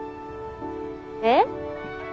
えっ？